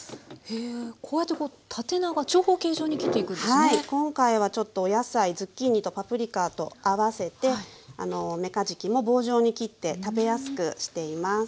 はい今回はちょっとお野菜ズッキーニとパプリカと合わせてめかじきも棒状に切って食べやすくしています。